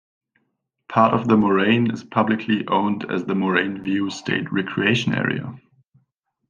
Part of the moraine is publicly owned as the Moraine View State Recreation Area.